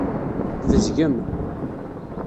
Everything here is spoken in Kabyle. Tbezgem.